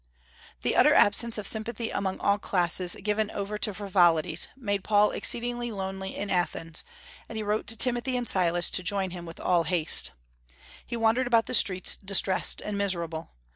The utter absence of sympathy among all classes given over to frivolities made Paul exceedingly lonely in Athens, and he wrote to Timothy and Silas to join him with all haste. He wandered about the streets distressed and miserable.